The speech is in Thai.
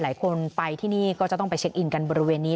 หลายคนไปที่นี่ก็จะต้องไปเช็คอินกันบริเวณนี้